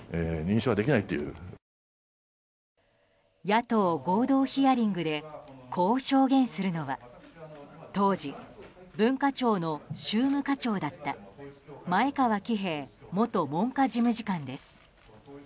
野党合同ヒアリングでこう証言するのは当時、文化庁の宗務課長だった前川喜平元文化事務次官です。